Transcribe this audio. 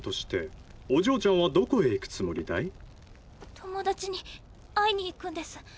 友達に会いに行くんです。